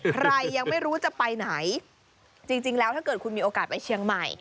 ใครยังไม่รู้จะไปไหนจริงแล้วถ้าเกิดคุณมีโอกาสไปเชียงใหม่